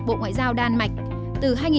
vậy các bạn thấy có gì